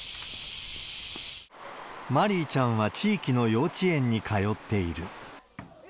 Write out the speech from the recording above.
まりいちゃんは地域の幼稚園に通っている。